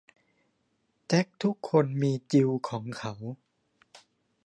แจ็คทุกคนมีจิลของเขา